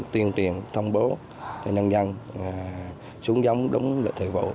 tiên triển thông bố cho dân dân xuống giống đúng lợi thể vụ